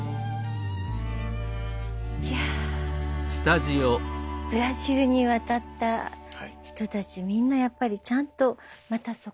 いやぁブラジルに渡った人たちみんなやっぱりちゃんとまたそこで。